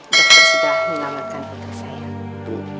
dokter sudah mengelamatkan putri saya